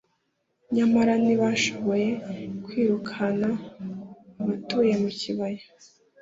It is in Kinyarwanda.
nyamara ntibashoboye kwirukana abatuye mu kibaya